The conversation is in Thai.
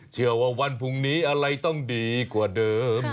เชื่อว่าวันพรุ่งนี้อะไรต้องดีกว่าเดิม